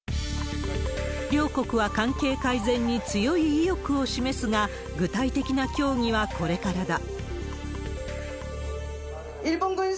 両国は関係改善に強い意欲を示すが、具体的な協議はこれからだ。